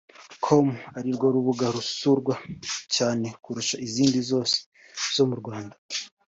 com arirwo rubuga rusurwa cyane kurusha izindi zose zo mu Rwanda